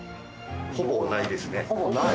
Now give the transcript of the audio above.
ほぼないですよね